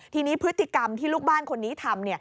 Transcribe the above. ทีนี้พฤติกรรมที่ลูกบ้านคนนี้ทำ